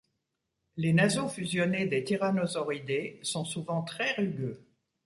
Les nasaux fusionnés des tyrannosauridés sont souvent très rugueux.